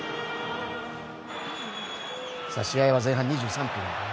試合は前半２３分。